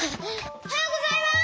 おはようございます！